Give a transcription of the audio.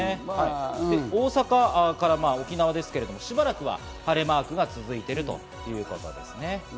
大阪から沖縄はしばらく晴れマークが続いているということです。